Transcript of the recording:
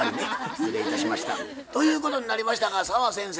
失礼いたしました。ということになりましたが澤先生